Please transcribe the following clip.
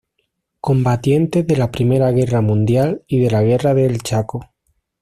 Combatiente de la Primera Guerra Mundial y de la Guerra del Chaco.